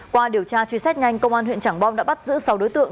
qua điều tra truy xét nhanh công an huyện trảng bom đã bắt giữ sáu đối tượng